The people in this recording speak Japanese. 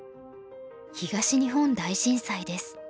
東日本大震災です。